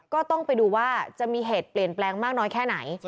ก็ต้องไปดูว่าจะมีเหตุเปลี่ยนแปลงมากน้อยแค่ไหน